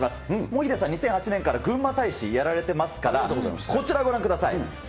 もうヒデさん、２００８年からぐんま大使やられてますから、こちら、ご覧ください。